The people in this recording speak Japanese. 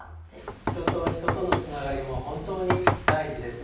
人と人とのつながりが本当に大事です。